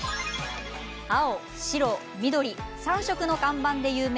青、白、緑、３色の看板で有名。